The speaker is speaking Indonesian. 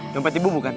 jompet ibu bukan